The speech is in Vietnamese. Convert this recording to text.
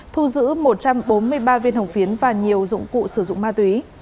thu giữ một trăm bốn mươi ba viên hồng phiến và nhiều dụng cụ sử dụng ma túy